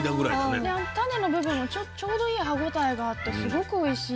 で種の部分もちょうどいい歯応えがあってすごくおいしい。